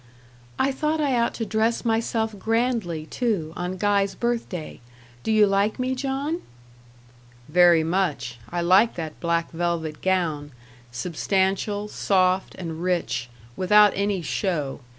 "I thought I ought to dress myself grandly, too, on Guy's birthday. Do you like me, John?" "Very much: I like that black velvet gown, substantial, soft, and rich, without any show.